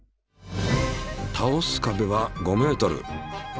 たおす壁は５ｍ。